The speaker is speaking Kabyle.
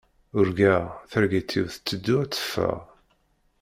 Urgaɣ, targit-iw tetteddu ad teffeɣ.